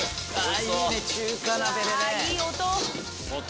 いい音！